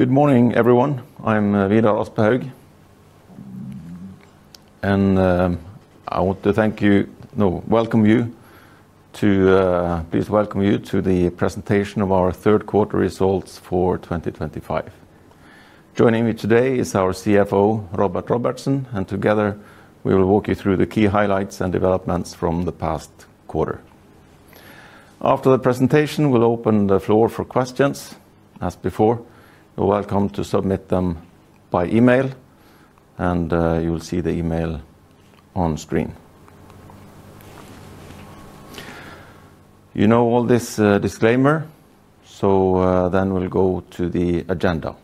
Good morning, everyone. I'm Vidar Aspehaug, and I want to thank you—no, welcome you to, please welcome you to the presentation of our third quarter results for 2025. Joining me today is our CFO, Róbert Róbertsson, and together we will walk you through the key highlights and developments from the past quarter. After the presentation, we'll open the floor for questions. As before, you're welcome to submit them by email, and you'll see the email on screen. You know all this, disclaimer, so we will go to the agenda.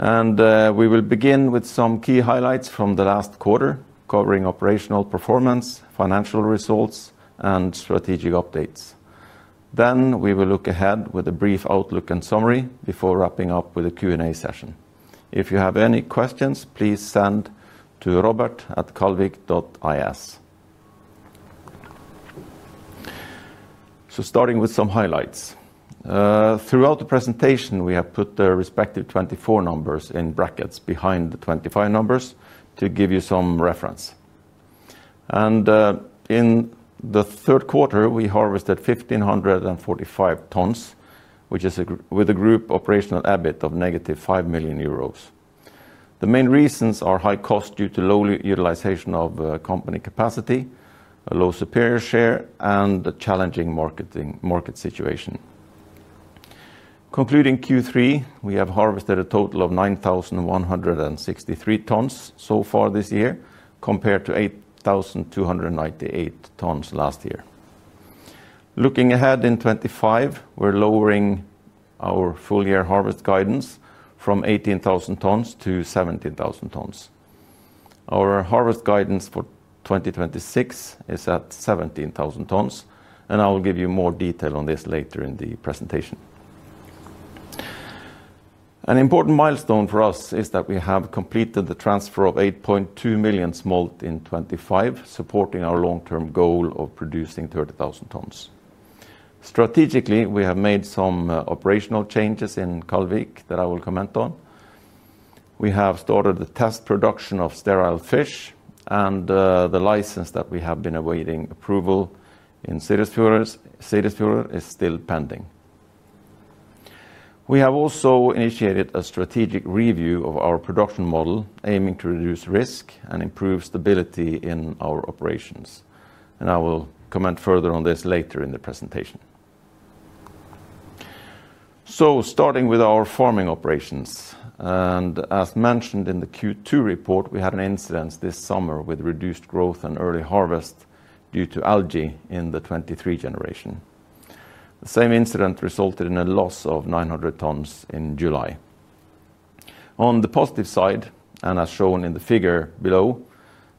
We will begin with some key highlights from the last quarter, covering operational performance, financial results, and strategic updates. Then we will look ahead with a brief outlook and summary before wrapping up with a Q&A session. If you have any questions, please send to robert@kaldvik.is. Starting with some highlights, throughout the presentation, we have put the respective 2024 numbers in brackets behind the 2025 numbers to give you some reference. In the third quarter, we harvested 1,545 tons, with a group operational EBIT of negative 5 million euros. The main reasons are high cost due to low utilization of company capacity, a low superior share, and a challenging market situation. Concluding Q3, we have harvested a total of 9,163 tons so far this year, compared to 8,298 tons last year. Looking ahead in 2025, we are lowering our full-year harvest guidance from 18,000 tons-17,000 tons. Our harvest guidance for 2026 is at 17,000 tons, and I will give you more detail on this later in the presentation. An important milestone for us is that we have completed the transfer of 8.2 million smolt in 2025, supporting our long-term goal of producing 30,000 tons. Strategically, we have made some operational changes in Kaldvik that I will comment on. We have started the test production of sterile fish, and the license that we have been awaiting approval for in Seyðisfjörður is still pending. We have also initiated a strategic review of our production model, aiming to reduce risk and improve stability in our operations, and I will comment further on this later in the presentation. Starting with our farming operations, and as mentioned in the Q2 report, we had an incident this summer with reduced growth and early harvest due to algae in the 2023 generation. The same incident resulted in a loss of 900 tons in July. On the positive side, and as shown in the figure below,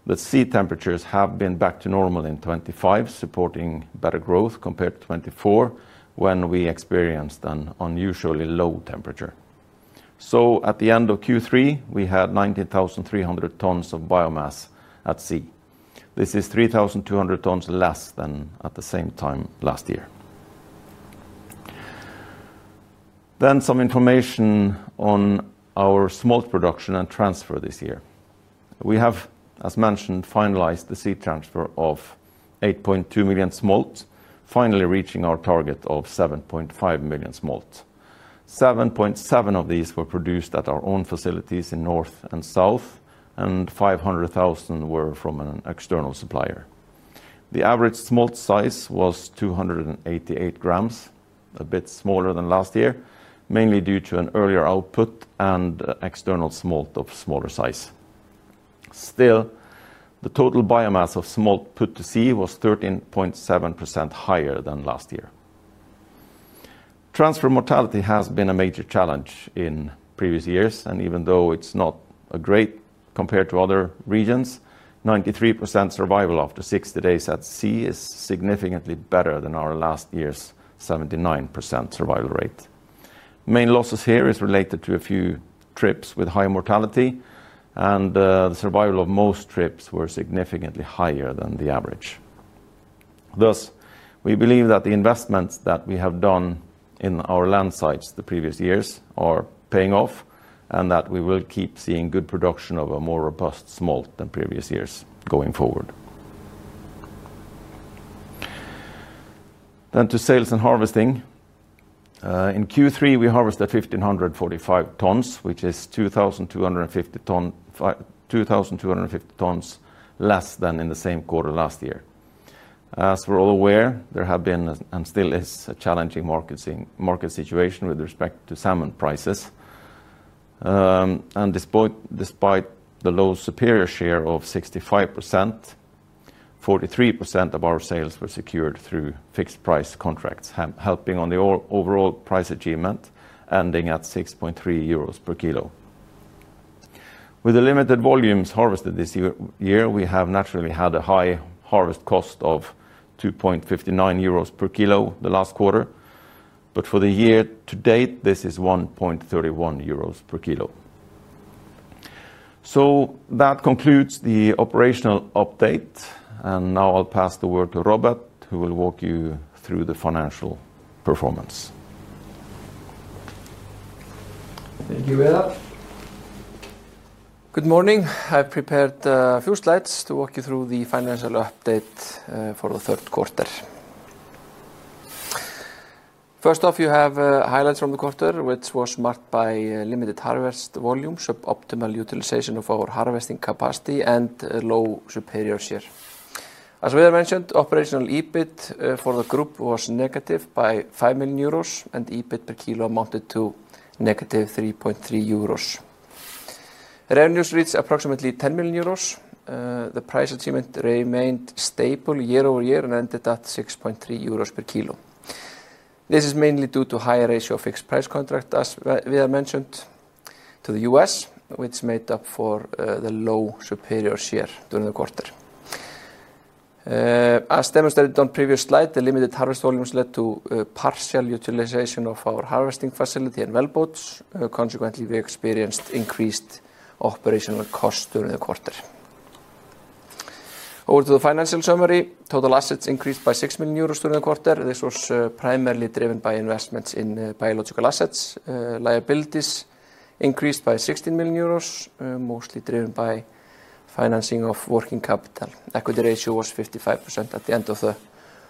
the sea temperatures have been back to normal in 2025, supporting better growth compared to 2024 when we experienced an unusually low temperature. At the end of Q3, we had 19,300 tons of biomass at sea. This is 3,200 tons less than at the same time last year. Some information on our smolt production and transfer this year. We have, as mentioned, finalized the sea transfer of 8.2 million smolt, finally reaching our target of 7.5 million smolt. 7.7 million of these were produced at our own facilities in North and South, and 500,000 were from an external supplier. The average smolt size was 288 grams, a bit smaller than last year, mainly due to an earlier output and external smolt of smaller size. Still, the total biomass of smolt put to sea was 13.7% higher than last year. Transfer mortality has been a major challenge in previous years, and even though it's not great compared to other regions, 93% survival after 60 days at sea is significantly better than our last year's 79% survival rate. Main losses here are related to a few trips with high mortality, and the survival of most trips was significantly higher than the average. Thus, we believe that the investments that we have done in our land sites the previous years are paying off and that we will keep seeing good production of a more robust smolt than previous years going forward. To sales and harvesting, in Q3, we harvested 1,545 tons, which is 2,250 tons less than in the same quarter last year. As we're all aware, there have been and still is a challenging market situation with respect to salmon prices. Despite the low superior share of 65%, 43% of our sales were secured through fixed price contracts, helping on the overall price achievement ending at 6.3 euros per kilo. With the limited volumes harvested this year, we have naturally had a high harvest cost of 2.59 euros per kilo the last quarter, but for the year to date, this is 1.31 euros per kilo. That concludes the operational update, and now I'll pass the word to Róbert, who will walk you through the financial performance. Thank you, Vidar. Good morning. I've prepared a few slides to walk you through the financial update for the third quarter. First off, you have highlights from the quarter, which was marked by limited harvest volumes, suboptimal utilization of our harvesting capacity, and low superior share. As we had mentioned, operational EBIT for the group was negative by 5 million euros, and EBIT per kilo amounted to negative 3.3 euros. Revenues reached approximately 10 million euros. The price achievement remained stable year over year and ended at 6.3 euros per kilo. This is mainly due to higher ratio fixed price contract, as Vidar mentioned, to the U.S., which made up for the low superior share during the quarter. As demonstrated on the previous slide, the limited harvest volumes led to partial utilization of our harvesting facility and wellboats. Consequently, we experienced increased operational costs during the quarter. Over to the financial summary. Total assets increased by 6 million euros during the quarter. This was primarily driven by investments in biological assets. Liabilities increased by 16 million euros, mostly driven by financing of working capital. Equity ratio was 55% at the end of the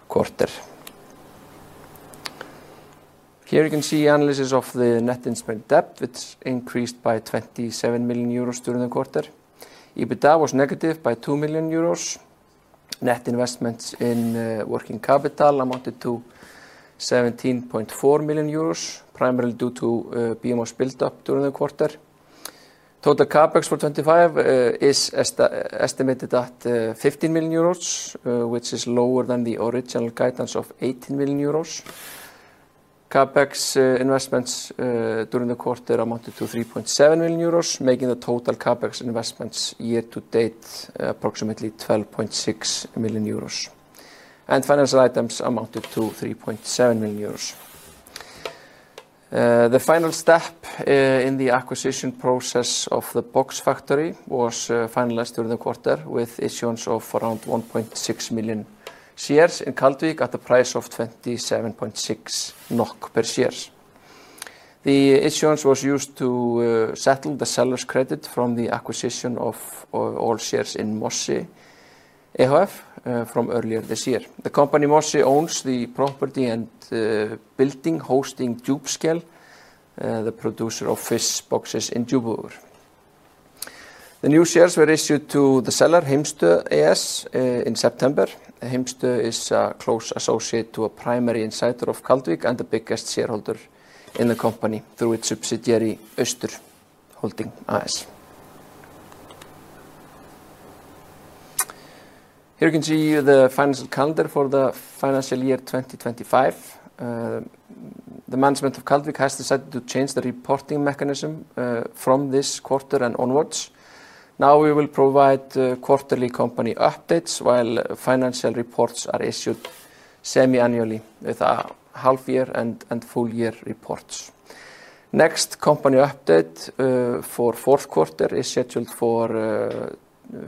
quarter. Here you can see analysis of the net instrument debt, which increased by 27 million euros during the quarter. EBITDA was negative by 2 million euros. Net investments in working capital amounted to 17.4 million euros, primarily due to biomass buildup during the quarter. Total CapEx for 2025 is estimated at 15 million euros, which is lower than the original guidance of 18 million euros. CapEx investments during the quarter amounted to 3.7 million euros, making the total CapEx investments year to date approximately 12.6 million euros. Financial items amounted to 3.7 million euros. The final step in the acquisition process of the box factory was finalized during the quarter with issuance of around 1.6 million shares in Kaldvik at a price of 27.6 NOK per share. The issuance was used to settle the seller's credit from the acquisition of all shares in Mossøy, AHF, from earlier this year. The company Mossøy owns the property and building hosting Jubskjell, the producer of fish boxes in Juborø. The new shares were issued to the seller, Himstø AS, in September. Himstø is a close associate to a primary insider of Kaldvik and the biggest shareholder in the company through its subsidiary, Øster Holding AS. Here you can see the financial calendar for the financial year 2025. The management of Kaldvik has decided to change the reporting mechanism from this quarter and onwards. Now we will provide quarterly company updates while financial reports are issued semi-annually, with half-year and full-year reports. Next company update for fourth quarter is scheduled for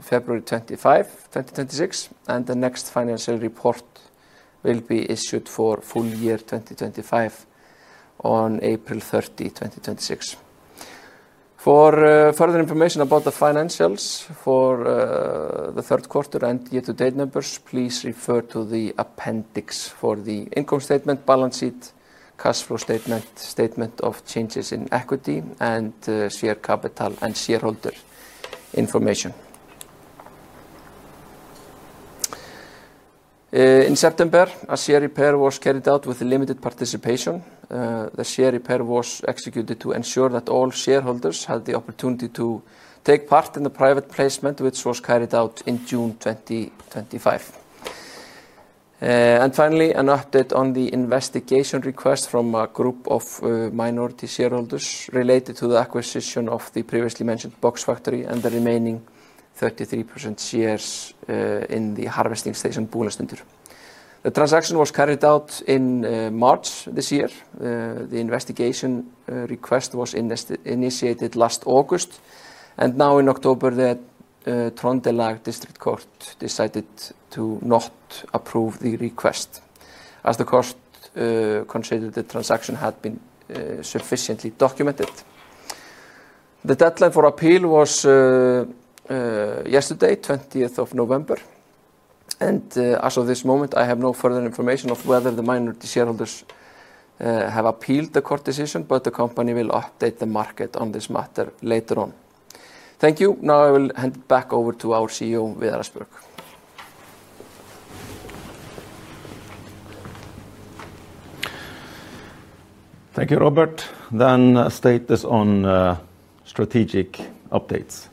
February 25, 2026, and the next financial report will be issued for full-year 2025 on April 30, 2026. For further information about the financials for the third quarter and year-to-date numbers, please refer to the appendix for the income statement, balance sheet, cash flow statement, statement of changes in equity, and share capital and shareholder information. In September, a share repair was carried out with limited participation. The share repair was executed to ensure that all shareholders had the opportunity to take part in the private placement, which was carried out in June 2025. Finally, an update on the investigation request from a group of minority shareholders related to the acquisition of the previously mentioned box factory and the remaining 33% shares in the harvesting station Bolastundur. The transaction was carried out in March this year. The investigation request was initiated last August, and now in October, the Trøndelag District Court decided to not approve the request, as the court considered the transaction had been sufficiently documented. The deadline for appeal was yesterday, 20th of November, and as of this moment, I have no further information of whether the minority shareholders have appealed the court decision, but the company will update the market on this matter later on. Thank you. Now I will hand it back over to our CEO, Vidar Aspehaug. Thank you, Róbert. A status on strategic updates.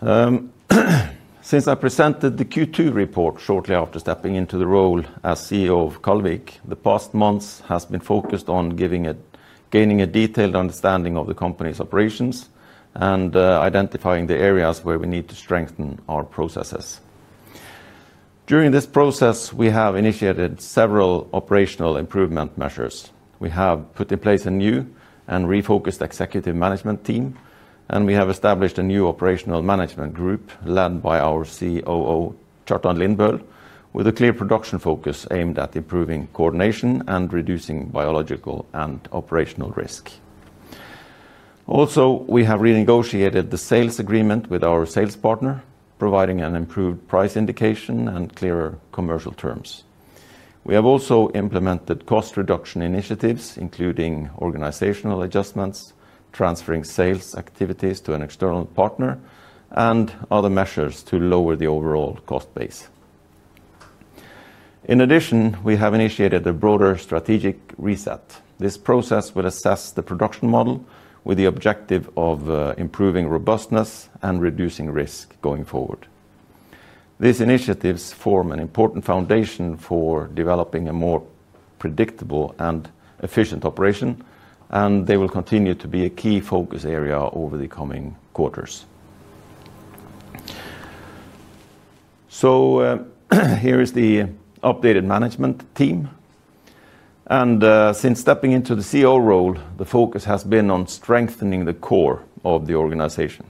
Since I presented the Q2 report shortly after stepping into the role as CEO of Kaldvik, the past months have been focused on gaining a detailed understanding of the company's operations and identifying the areas where we need to strengthen our processes. During this process, we have initiated several operational improvement measures. We have put in place a new and refocused executive management team, and we have established a new operational management group led by our COO, Kjartan Lindbøl, with a clear production focus aimed at improving coordination and reducing biological and operational risk. Also, we have renegotiated the sales agreement with our sales partner, providing an improved price indication and clearer commercial terms. We have also implemented cost reduction initiatives, including organizational adjustments, transferring sales activities to an external partner, and other measures to lower the overall cost base. In addition, we have initiated a broader strategic reset. This process will assess the production model with the objective of improving robustness and reducing risk going forward. These initiatives form an important foundation for developing a more predictable and efficient operation, and they will continue to be a key focus area over the coming quarters. Here is the updated management team, and since stepping into the COO role, the focus has been on strengthening the core of the organization.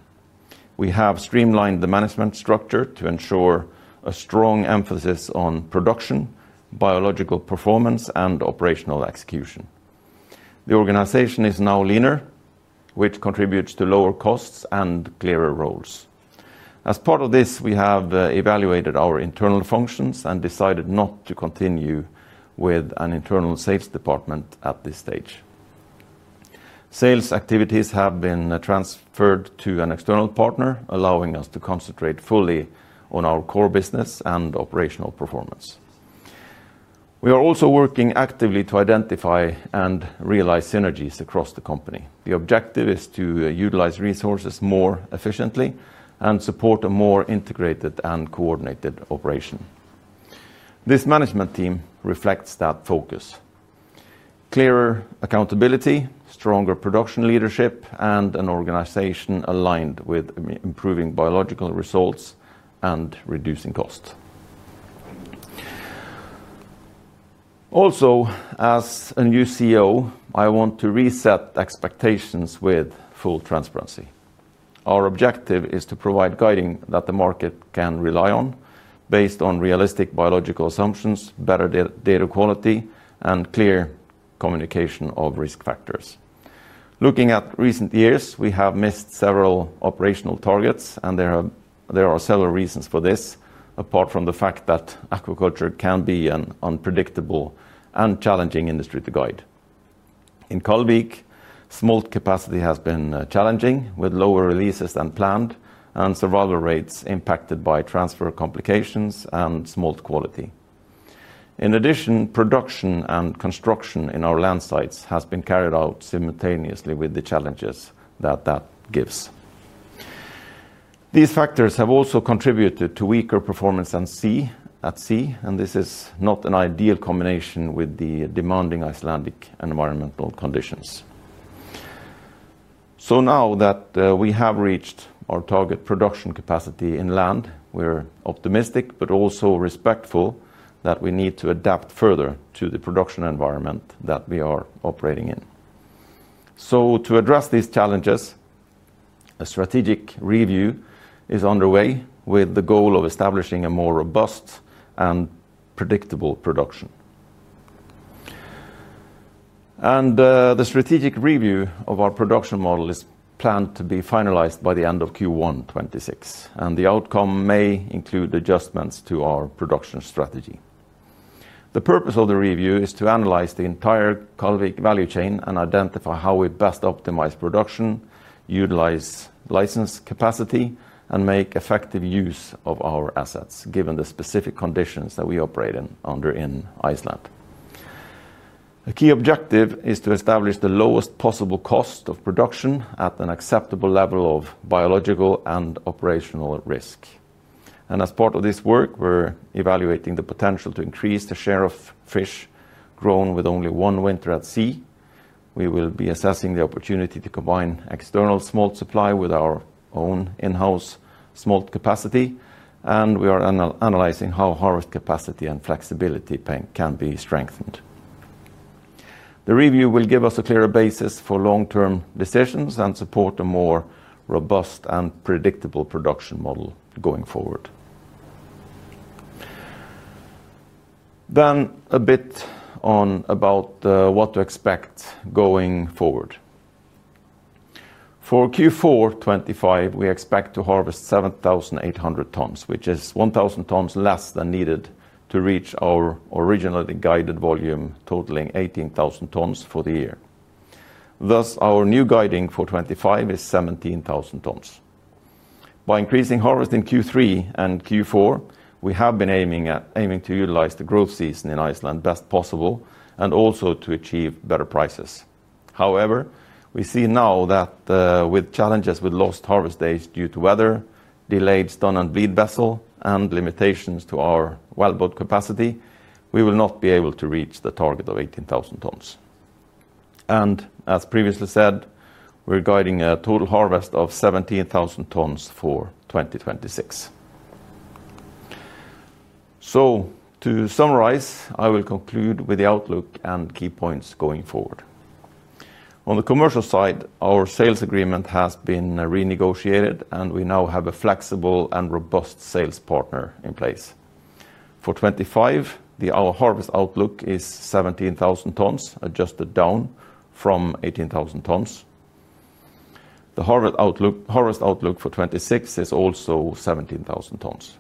We have streamlined the management structure to ensure a strong emphasis on production, biological performance, and operational execution. The organization is now leaner, which contributes to lower costs and clearer roles. As part of this, we have evaluated our internal functions and decided not to continue with an internal sales department at this stage. Sales activities have been transferred to an external partner, allowing us to concentrate fully on our core business and operational performance. We are also working actively to identify and realize synergies across the company. The objective is to utilize resources more efficiently and support a more integrated and coordinated operation. This management team reflects that focus: clearer accountability, stronger production leadership, and an organization aligned with improving biological results and reducing costs. Also, as a new CEO, I want to reset expectations with full transparency. Our objective is to provide guiding that the market can rely on, based on realistic biological assumptions, better data quality, and clear communication of risk factors. Looking at recent years, we have missed several operational targets, and there are several reasons for this, apart from the fact that aquaculture can be an unpredictable and challenging industry to guide. In Kaldvik, smolt capacity has been challenging, with lower releases than planned, and survival rates impacted by transfer complications and smolt quality. In addition, production and construction in our land sites have been carried out simultaneously with the challenges that that gives. These factors have also contributed to weaker performance at sea, and this is not an ideal combination with the demanding Icelandic environmental conditions. Now that we have reached our target production capacity in land, we're optimistic but also respectful that we need to adapt further to the production environment that we are operating in. To address these challenges, a strategic review is underway with the goal of establishing a more robust and predictable production. The strategic review of our production model is planned to be finalized by the end of Q1 2026, and the outcome may include adjustments to our production strategy. The purpose of the review is to analyze the entire Kaldvik value chain and identify how we best optimize production, utilize license capacity, and make effective use of our assets, given the specific conditions that we operate in under in Iceland. A key objective is to establish the lowest possible cost of production at an acceptable level of biological and operational risk. As part of this work, we're evaluating the potential to increase the share of fish grown with only one winter at sea. We will be assessing the opportunity to combine external smolt supply with our own in-house smolt capacity, and we are analyzing how harvest capacity and flexibility can be strengthened. The review will give us a clearer basis for long-term decisions and support a more robust and predictable production model going forward. A bit about what to expect going forward. For Q4 2025, we expect to harvest 7,800 tons, which is 1,000 tons less than needed to reach our originally guided volume totaling 18,000 tons for the year. Thus, our new guiding for 2025 is 17,000 tons. By increasing harvest in Q3 and Q4, we have been aiming to utilize the growth season in Iceland best possible and also to achieve better prices. However, we see now that with challenges with lost harvest days due to weather, delayed stun and weed vessel, and limitations to our wellboat capacity, we will not be able to reach the target of 18,000 tons. As previously said, we're guiding a total harvest of 17,000 tons for 2026. To summarize, I will conclude with the outlook and key points going forward. On the commercial side, our sales agreement has been renegotiated, and we now have a flexible and robust sales partner in place. For 2025, our harvest outlook is 17,000 tons, adjusted down from 18,000 tons. The harvest outlook for 2026 is also 17,000 tons.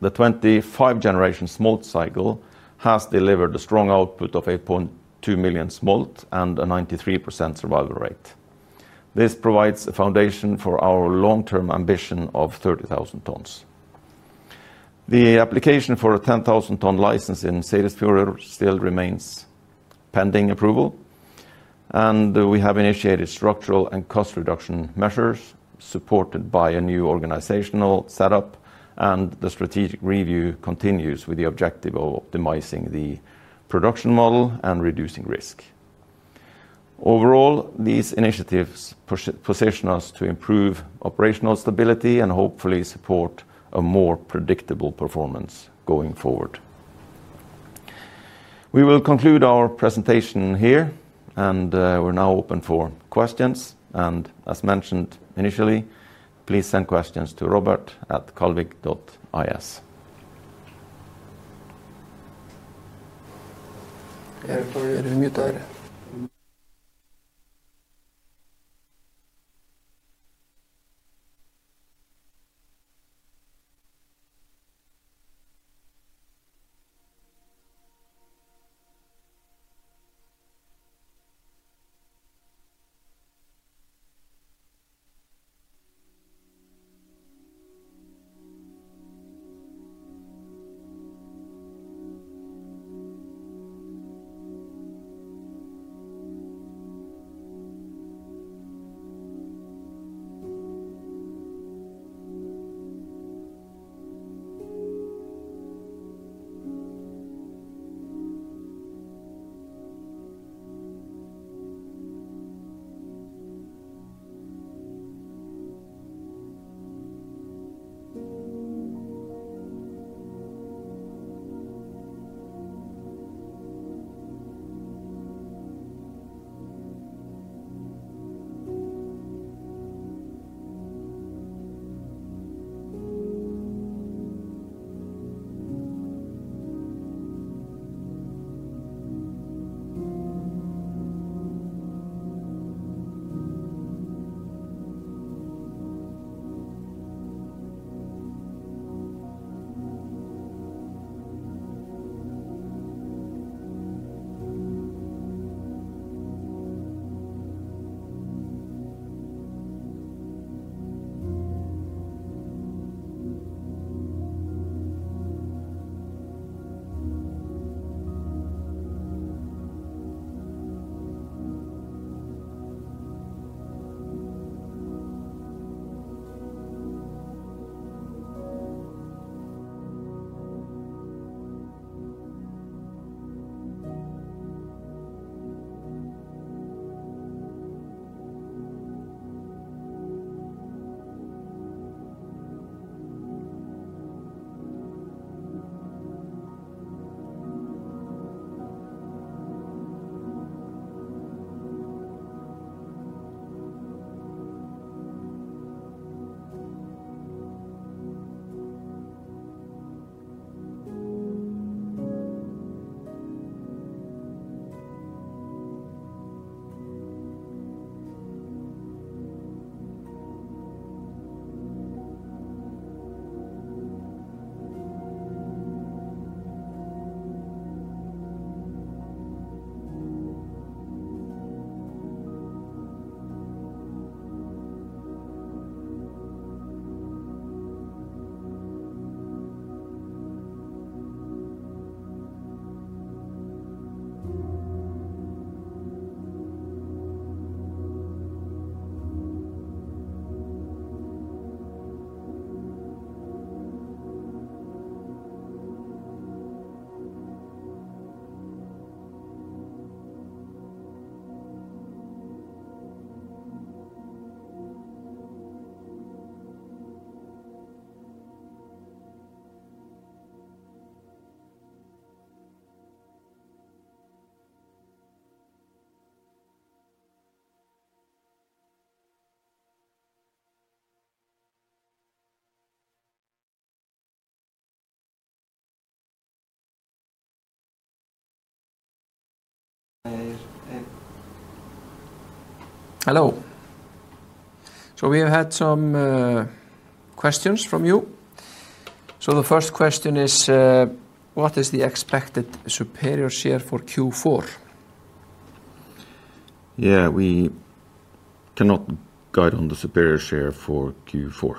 The 2025-generation smolt cycle has delivered a strong output of 8.2 million smolt and a 93% survival rate. This provides a foundation for our long-term ambition of 30,000 tons. The application for a 10,000-ton license in Seyðisfjörður still remains pending approval, and we have initiated structural and cost reduction measures supported by a new organizational setup, and the strategic review continues with the objective of optimizing the production model and reducing risk. Overall, these initiatives position us to improve operational stability and hopefully support a more predictable performance going forward. We will conclude our presentation here, and we are now open for questions. As mentioned initially, please send questions to robert@kaldvik.is. I am on mute here. Hello. We have had some questions from you. The first question is, what is the expected superior share for Q4? Yeah, we cannot guide on the superior share for Q4.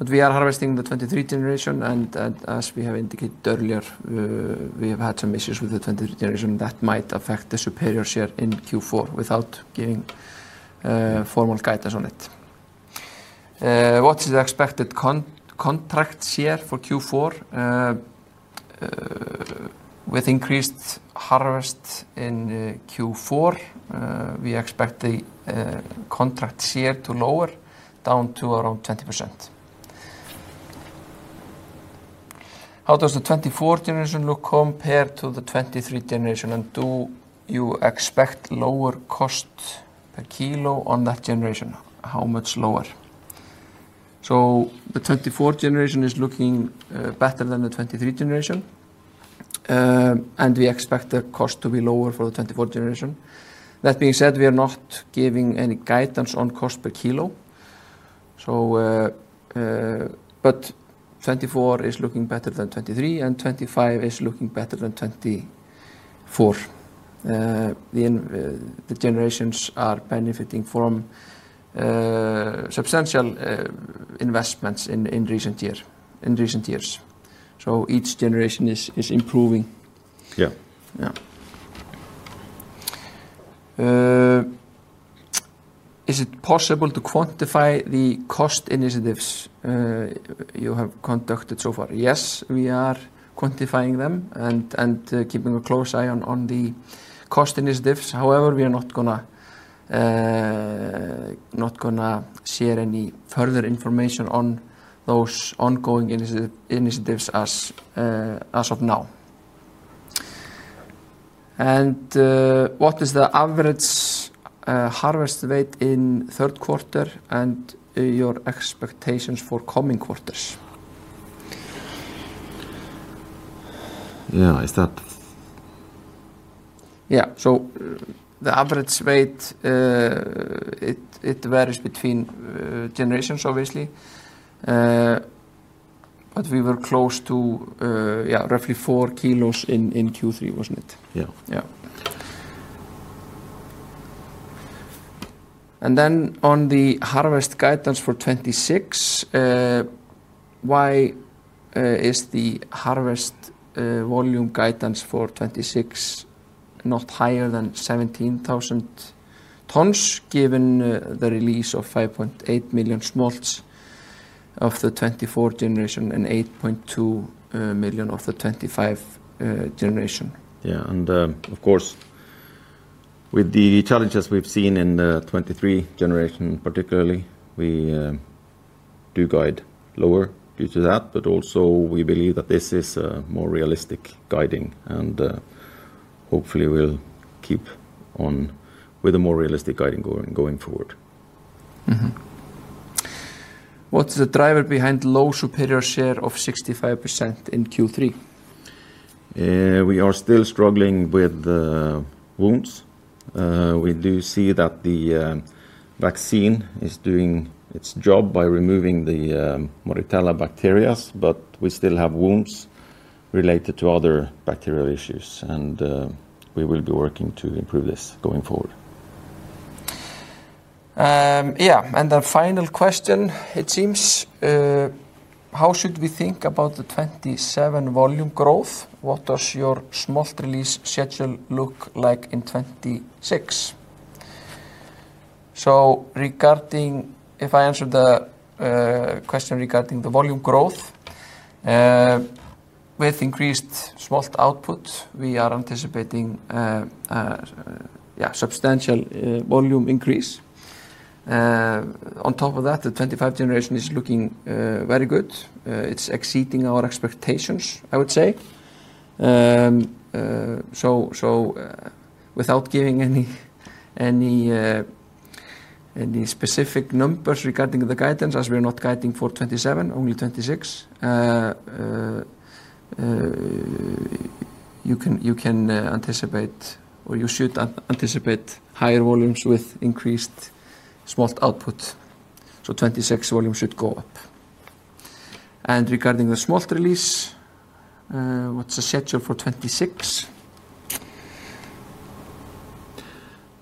We are harvesting the 2023 generation, and as we have indicated earlier, we have had some issues with the 2023 generation that might affect the superior share in Q4 without giving formal guidance on it. What is the expected contract share for Q4? With increased harvest in Q4, we expect the contract share to lower down to around 20%. How does the 2024 generation look compared to the 2023 generation, and do you expect lower cost per kilo on that generation? How much lower? The 2024 generation is looking better than the 2023 generation, and we expect the cost to be lower for the 2024 generation. That being said, we are not giving any guidance on cost per kilo. The 2024 is looking better than 2023, and 2025 is looking better than 2024. The generations are benefiting from substantial investments in recent years. Each generation is improving. Yeah. Yeah. Is it possible to quantify the cost initiatives you have conducted so far? Yes, we are quantifying them and keeping a close eye on the cost initiatives. However, we are not going to share any further information on those ongoing initiatives as of now. What is the average harvest weight in third quarter and your expectations for coming quarters? Yeah, I start. Yeah, so the average weight, it varies between generations, obviously. We were close to roughly 4 kilos in Q3, wasn't it? Yeah. Yeah. On the harvest guidance for 2026, why is the harvest volume guidance for 2026 not higher than 17,000 tons given the release of 5.8 million smolt of the 2024 generation and 8.2 million of the 2025 generation? Yeah, and of course, with the challenges we've seen in the 23 generation particularly, we do guide lower due to that, but also we believe that this is a more realistic guiding and hopefully we'll keep on with a more realistic guiding going forward. What's the driver behind low superior share of 65% in Q3? We are still struggling with wounds. We do see that the vaccine is doing its job by removing the Moritella bacteria, but we still have wounds related to other bacterial issues, and we will be working to improve this going forward. Yeah, and the final question, it seems, how should we think about the 2027 volume growth? What does your smolt release schedule look like in 2026? Regarding, if I answer the question regarding the volume growth, with increased smolt output, we are anticipating a substantial volume increase. On top of that, the 2025 generation is looking very good. It's exceeding our expectations, I would say. Without giving any specific numbers regarding the guidance, as we're not guiding for 2027, only 2026, you can anticipate, or you should anticipate higher volumes with increased smolt output. 2026 volume should go up. Regarding the smolt release, what's the schedule for 2026?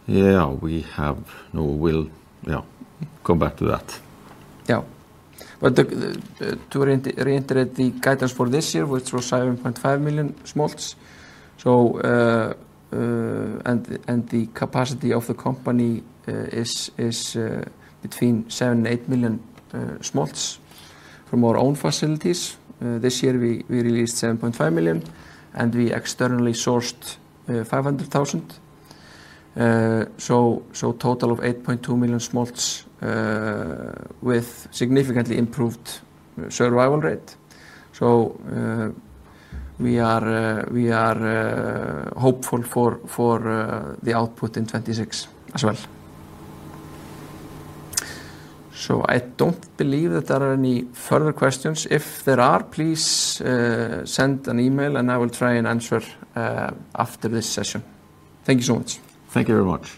Yeah, we have, or we'll come back to that. Yeah. To reiterate the guidance for this year with 7.5 million smolts, and the capacity of the company is between 7 and 8 million smolts from our own facilities. This year we released 7.5 million, and we externally sourced 500,000. Total of 8.2 million smolts with significantly improved survival rate. We are hopeful for the output in 2026 as well. I don't believe that there are any further questions. If there are, please send an email, and I will try and answer after this session. Thank you so much. Thank you very much.